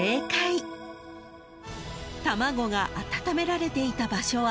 ［卵が温められていた場所は］